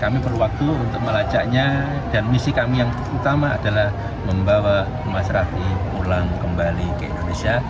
kami berwakil untuk melacaknya dan misi kami yang utama adalah membawa masyarakat pulang kembali ke indonesia